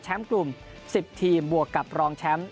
กลุ่ม๑๐ทีมบวกกับรองแชมป์